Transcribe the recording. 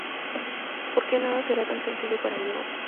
Porque nada será tan sencillo para Diego.